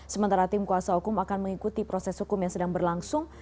sementara tim kuasa hukum akan mengikuti proses hukum yang sedang berlangsung